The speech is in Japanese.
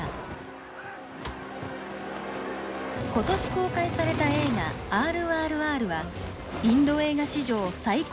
今年公開された映画「ＲＲＲ」はインド映画史上最高の制作費